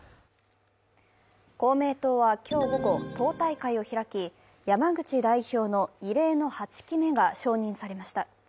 公明党は今日午後、党大会を開き山口代表の異例の８期目が承認されました。